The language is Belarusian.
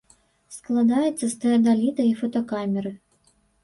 Складаецца з тэадаліта і фотакамеры.